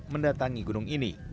mendatangi gunung ini